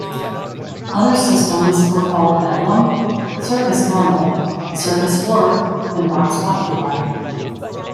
Other systems were called Bedlam, Circus Normal, Circus Warp and Vox Populi.